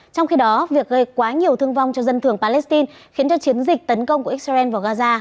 trong khi đó việc gây quá nhiều thương vong cho dân thường palestine khiến cho chiến dịch tấn công của israel vào gaza